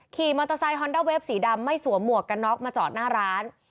ขี่มอเตอร์ไซคอนด้าเวฟสีดำไม่สวมหมวกกันน็อกมาจอดหน้าร้าน